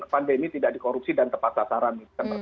yang demi tidak dikorupsi dan tepat sasaran